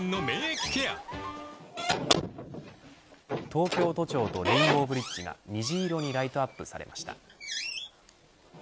東京都庁とレインボーブリッジが虹色にライトアップされました。